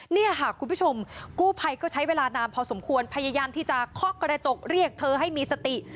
เนี่ยค่ะคุณผู้ชมกู้ภัยก็ใช้เวลานานพอสมควรพยายามที่จะเคาะกระจกเรียกเธอให้มีสติ